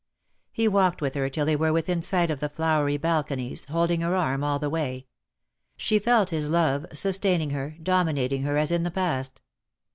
He walked with her till they were within sight of the flowery balconies, holding her arm all the way. She felt his love sustaining her, dominating her as in the past.